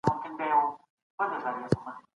ډيپلوماټيک تاريخ موږ ته د تېرو پېښو درس راکوي.